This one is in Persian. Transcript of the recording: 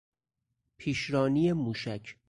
پیشرانی موشک